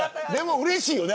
うれしいよね。